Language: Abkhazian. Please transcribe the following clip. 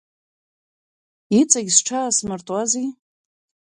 Иҵегь сҽаасмыртуази.